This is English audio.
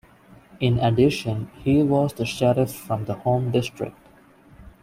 In addition he was the Sheriff for the Home District.